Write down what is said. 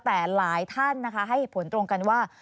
แต่หลายท่านนะคะให้เหตุผลตรงกันว่า